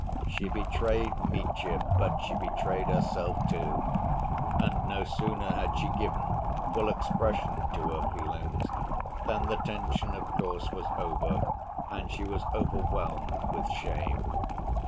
She betrayed Mitya, but she betrayed herself, too. And no sooner had she given full expression to her feelings than the tension of course was over and she was overwhelmed with shame.